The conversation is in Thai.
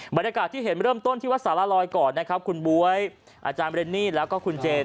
บรรยากาศที่เห็นเริ่มต้นที่วัดสารลอยก่อนนะครับคุณบ๊วยอาจารย์เรนนี่แล้วก็คุณเจน